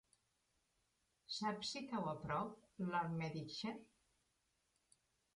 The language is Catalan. Saps si cau a prop d'Almedíxer?